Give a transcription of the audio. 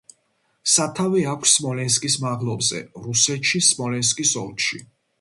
სათავე აქვს სმოლენსკის მაღლობზე, რუსეთში სმოლენსკის ოლქში.